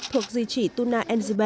thuộc di chỉ tuna